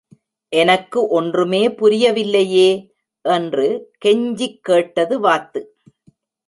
எனக்கு ஒன்றுமே புரியவில்லையே! என்று கெஞ்சிக் கேட்டது வாத்து.